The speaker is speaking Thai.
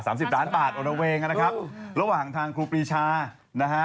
สิบล้านบาทโอระเวงนะครับระหว่างทางครูปรีชานะฮะ